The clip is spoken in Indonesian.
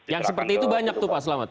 yang seperti itu banyak tuh pak selamat